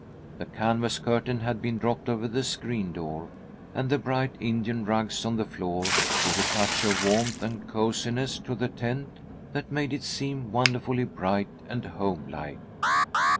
The canvas curtain had been dropped over the screen door, and the bright Indian rugs on the floor gave a touch of warmth and cosiness to the tent that made it seem wonderfully bright and homelike.